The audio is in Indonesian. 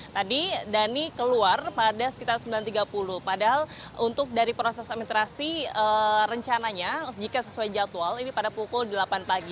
tadi dhani keluar pada sekitar sembilan tiga puluh padahal untuk dari proses administrasi rencananya jika sesuai jadwal ini pada pukul delapan pagi